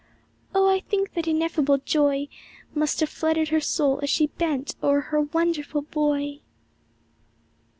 Oh, I think that ineffable joy Must have flooded her soul as she bent o'er her won derful Boy!